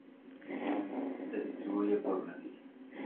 Se distribuye por Brasil.